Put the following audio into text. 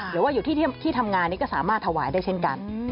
หรือว่าอยู่ที่ทำงานนี้ก็สามารถถวายได้เช่นกัน